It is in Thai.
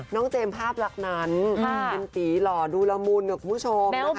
น้องเจมส์ภาพหลักนั้นเย็นตีหล่อดูละมุนคุณผู้ชมนะคะ